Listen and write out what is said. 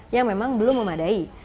yang memang belum memadai